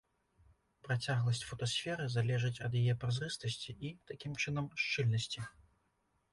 Працягласць фотасферы залежыць ад яе празрыстасці і, такім чынам, шчыльнасці.